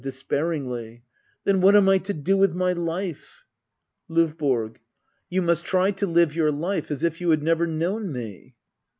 [Despairinglif.'] Then what am I to do with my life ? LdVBORO. You must try to live your life as if you had never known me.